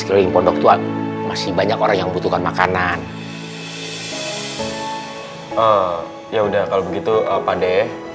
keling pondok tuh masih banyak orang yang butuhkan makanan ya udah kalau begitu apa deh